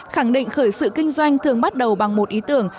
khẳng định khởi sự kinh doanh thường bắt đầu bằng một ý tưởng